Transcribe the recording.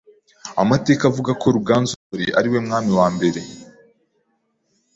Amateka avuga ko Ruganzu II Ndoli ari we mwami wa mbere